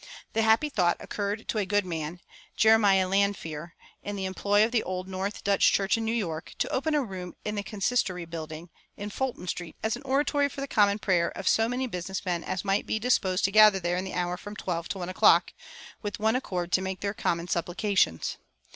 The happy thought occurred to a good man, Jeremiah Lanphier, in the employ of the old North Dutch Church in New York, to open a room in the "consistory building" in Fulton Street as an oratory for the common prayer of so many business men as might be disposed to gather there in the hour from twelve to one o'clock, "with one accord to make their common supplications."